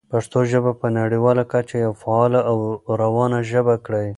پښتو ژبه په نړیواله کچه یوه فعاله او روانه ژبه کړئ.